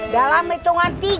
dalam hitungan tiga